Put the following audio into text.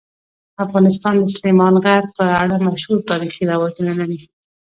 افغانستان د سلیمان غر په اړه مشهور تاریخی روایتونه لري.